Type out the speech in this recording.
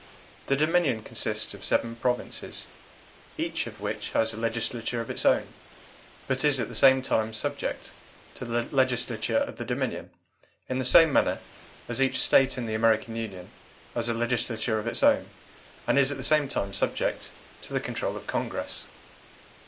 The Dominion consists of seven provinces, each of which has a Legislature of its own, but is at the same time subject to the Legislature of the Dominion, in the same manner as each State in the American Union has a Legislature of its own, and is at the same time subject to the control of Congress.